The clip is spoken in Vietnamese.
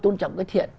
tôn trọng cái thiện